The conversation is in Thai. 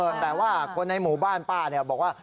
เออแต่ว่าคนในหมู่บ้านป้าบอกว่า